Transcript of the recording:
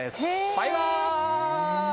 バイバイ！